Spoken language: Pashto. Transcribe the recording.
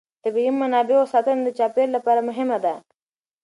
د طبیعي منابعو ساتنه د چاپېر یال لپاره مهمه ده.